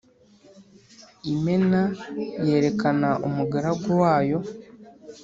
Imana yerekana umugaragu wayo